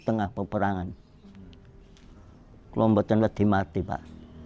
di tengah tengah peperangan kelompoknya dimatikan